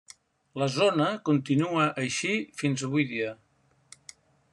La zona continua així fins avui dia.